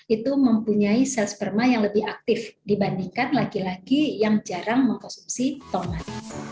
itu mempunyai sel sperma yang lebih aktif dibandingkan laki laki yang jarang mengkonsumsi tomat